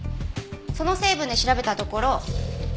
その成分で調べたところ